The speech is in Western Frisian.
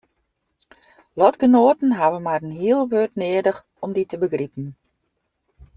Lotgenoaten hawwe mar in heal wurd nedich om dy te begripen.